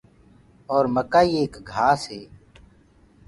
اور مڪآئي ايڪ گھآس هي۔